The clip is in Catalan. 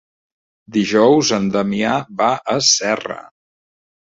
Dijous en Damià va a Serra.